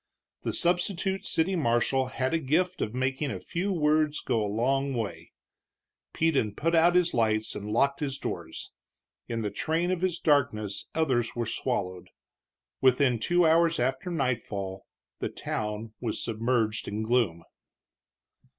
The substitute city marshal had a gift of making a few words go a long way; Peden put out his lights and locked his doors. In the train of his darkness others were swallowed. Within two hours after nightfall the town was submerged in gloom.